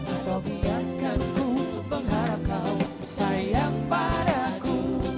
atau biarkan ku mengharap kau sayang padaku